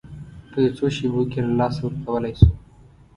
په یو څو شېبو کې یې له لاسه ورکولی شو.